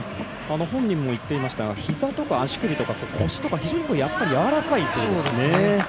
本人も言っていましたがひざとか足首とか腰とか非常にやっぱりやわらかいそうですね。